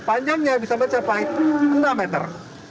panjangnya bisa mencapai enam meter